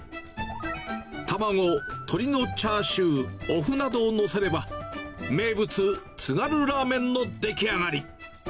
卵、鶏のチャーシュー、おふなどを載せれば、名物、津軽ラーメンの出来上がり。